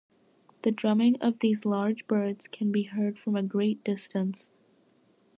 The drumming of these large birds can be heard from a great distance.